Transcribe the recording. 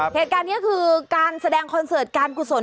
เหตุการณ์นี้คือการแสดงคอนเสิร์ตการกุศล